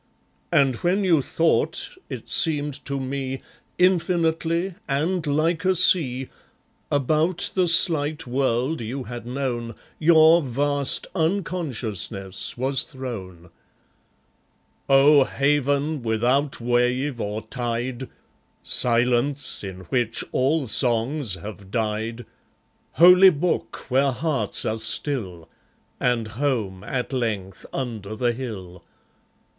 And when you thought, it seemed to me, Infinitely, and like a sea, About the slight world you had known Your vast unconsciousness was thrown. ... O haven without wave or tide! Silence, in which all songs have died! Holy book, where hearts are still! And home at length under the hill!